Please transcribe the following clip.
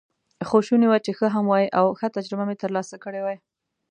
خو شوني وه چې ښه هم وای، او ښه تجربه مې ترلاسه کړې وای.